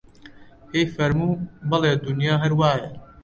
پێی فەرموو: بەڵێ دونیا هەر وایە